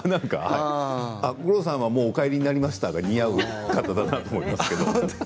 吾郎さんはもうお帰りになりましたが、似合う方だなと思って。